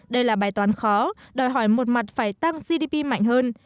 đây là bài toán khó đòi hỏi một mặt phải tăng gdp mạnh hơn